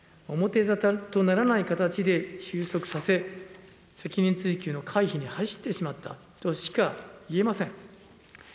表沙汰とならない形で収束させ、責任追及の回避に走ってしまったとしかいえません。